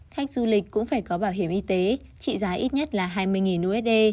khách du lịch cũng phải có bảo hiểm y tế trị giá ít nhất là hai mươi usd